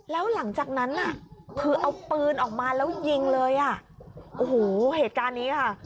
แล้วหลังจากนั้นน่ะคือเอาปืนออกมาแล้วยิงเลยอ่ะโอ้โหเหตุการณ์นี้ค่ะ